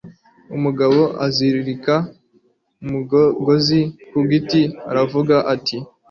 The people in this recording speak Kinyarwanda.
umugabo azirika umugozi ku giti, aravuga ati